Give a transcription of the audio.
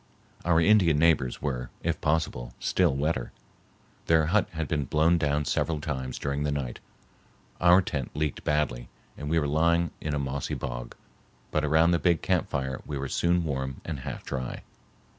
Our Indian neighbors were, if possible, still wetter. Their hut had been blown down several times during the night. Our tent leaked badly, and we were lying in a mossy bog, but around the big camp fire we were soon warm and half dry.